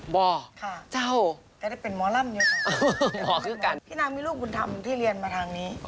บอกค่ะแต่ได้เป็นหมอล่ำอยู่ค่ะแต่ไม่เป็นหมอพี่นางมีลูกบุญธรรมที่เรียนมาทางนี้